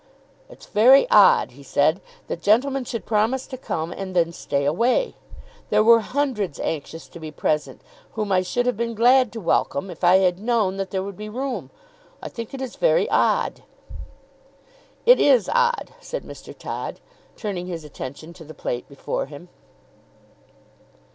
"It's very odd," he said, "that gentlemen should promise to come and then stay away. There were hundreds anxious to be present whom I should have been glad to welcome, if I had known that there would be room. I think it is very odd." "It is odd," said Mr. Todd, turning his attention to the plate before him.